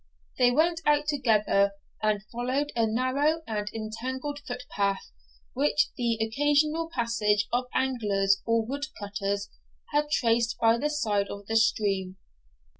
They went out together, and followed a narrow and entangled foot path, which the occasional passage of anglers or wood cutters had traced by the side of the stream.